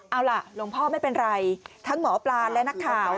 เอาล่ะหลวงพ่อไม่เป็นไรทั้งหมอปลาและนักข่าว